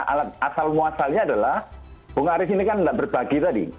alat asal muasalnya adalah bung arief ini kan tidak berbagi tadi